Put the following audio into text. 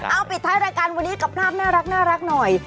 เอาปิดท้ายรายการวันนี้กับภาพน่ารักหน่อย